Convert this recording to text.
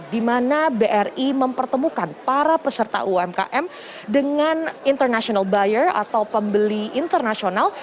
di mana bri mempertemukan para peserta umkm dengan international buyer atau pembeli internasional